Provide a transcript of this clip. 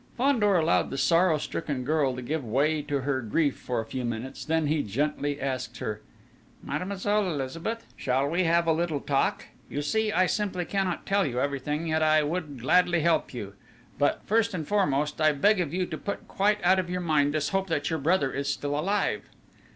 Fandor allowed the sorrow stricken girl to give way to her grief for a few minutes; then he gently asked her: "Mademoiselle Elizabeth, shall we have a little talk?... You see I simply cannot tell you everything, yet I would gladly help you!... But first and foremost, I beg of you to put quite out of your mind this hope that your brother is still alive!..."